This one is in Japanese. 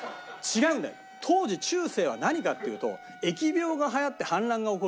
当時中世は何かっていうと。